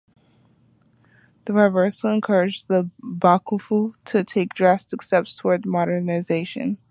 This reversal encouraged the Bakufu to take drastic steps towards modernization.